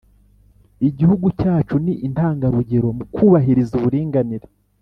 igihugu cyacu ni intangarugero mu kubahiriza uburinganire